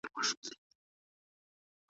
ما به هر سهار نسیم ته نوې نغمه ولیکل